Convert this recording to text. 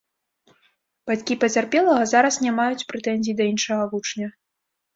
Бацькі пацярпелага зараз не маюць прэтэнзій да іншага вучня.